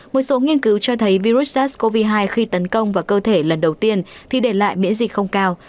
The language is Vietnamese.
một số nghiên cứu cho thấy virus sars cov hai khi tấn công vào cơ thể lần đầu tiên thì để lại miễn dịch không cao